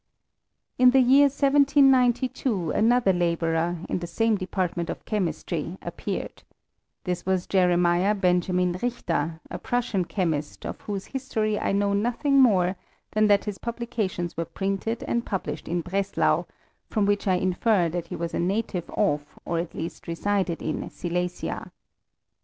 OF THE ATOMIC THEORY. 283 In the year 1792 another labourer, in the same department of chemistry, appeared : this was Jere> miah Benjamin Richter, a Prussian chemist, of "whose history I know nothing more than that his publications were printed and published in Breslau, from which I infer that he was a native of, or at least resided in, Silesia.